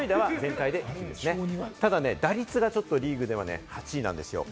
ただね、打率がちょっとリーグでは８位なんですよ。